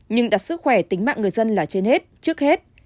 nhưng đặt sức khỏe tính mạng người dân là trên hết trước hết